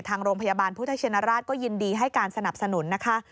ทางโรงพยาบาลพุทธชินราชก็ยินดีให้การสนับสนุนนะคะ